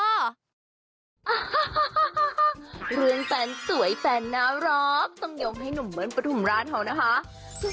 ฮ่าเรื่องแฟนสวยแฟนนารอบต้องยอมให้หนุ่มเมิ้นประถุมราชเขานะคะ